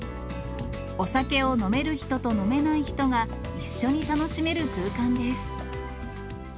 お酒を飲める人と飲めない人が一緒に楽しめる空間です。